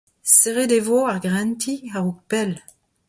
Serret e vo ar greanti a-raok pell.